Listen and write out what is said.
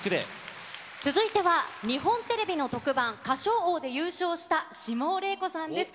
続いては日本テレビの特番、歌唱王で優勝した下尾礼子さんです。